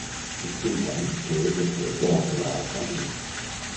Explica'm que he de fer per arribar al Claudi.